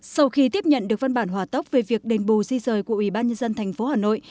sau khi tiếp nhận được văn bản hòa tốc về việc đền bù di rời của ủy ban nhân dân tp hà nội